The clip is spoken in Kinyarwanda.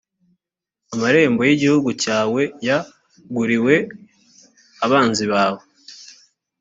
amarembo y igihugu cyawe y guriwe abanzi bawe